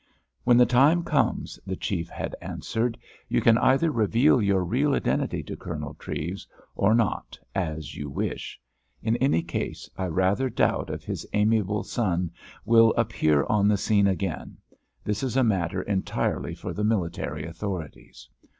"When the time comes," the Chief had answered, "you can either reveal your real identity to Colonel Treves, or not, as you wish. In any case, I rather doubt if his amiable son will appear on the scene again; that is a matter entirely for the military authorities.